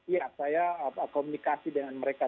ya saya komunikasi dengan mereka